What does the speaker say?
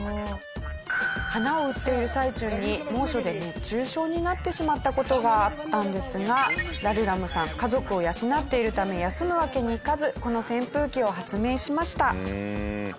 花を売っている最中に猛暑で熱中症になってしまった事があったんですがラルラムさん家族を養っているため休むわけにいかずこの扇風機を発明しました。